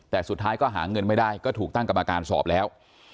แต่สุดท้ายก็หาเงินไม่ได้ก็ถูกตั้งกรรมการสอบแล้ว